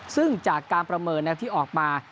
ซึ่งจากการประเมินแนวที่ออกมา